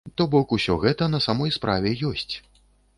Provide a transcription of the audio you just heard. То бок усё гэта, на самой справе, ёсць.